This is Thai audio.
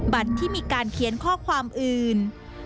ที่มีการเขียนข้อความอื่น